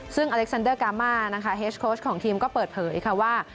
ซึ่งอเล็กซันเดอร์กามานะคะเฮสโค้ชของทีมก็เปิดเผยค่ะว่า